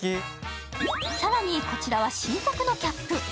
更に、こちらは新作のキャップ。